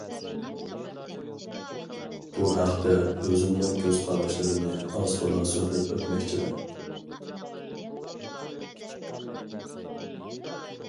بۇ ھەقتە ئۆزۈمنىڭ كۆز قاراشلىرىنى ئاز تولا سۆزلەپ ئۆتمەكچىمەن.